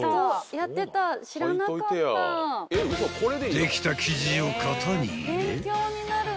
［できた生地を型に入れ］